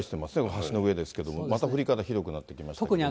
橋の上ですけども、また降り方ひどくなってきましたけれども。